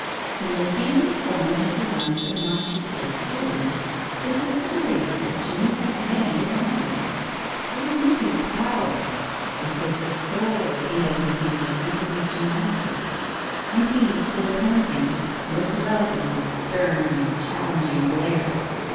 When they came to form into line for the march into the school room it was curious that Jimmie had many admirers. It was not his prowess; it was the soul he had infused into his gymnastics; and he, still panting, looked about him with a stern and challenging glare.